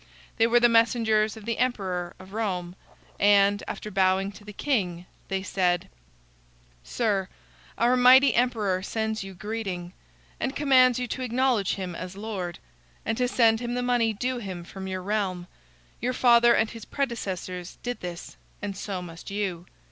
They were the messengers of the emperor of Rome, and, after bowing to the king, they said: "Sir, our mighty emperor sends you greeting, and commands you to acknowledge him as lord, and to send him the money due him from your realm. Your father and his predecessors did this, and so must you.